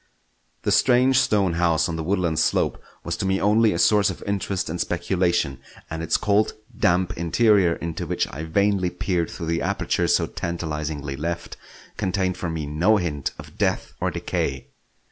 The strange stone house on the woodland slope was to me only a source of interest and speculation; and its cold, damp interior, into which I vainly peered through the aperture so tantalisingly left, contained for me no hint of death or decay.